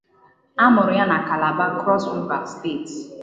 A mụrụ ya na Calabar, Cross River State.